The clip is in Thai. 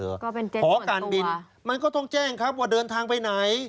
ก็เป็นแจ้งหอการบินมันก็ต้องแจ้งครับว่าเดินทางไปไหน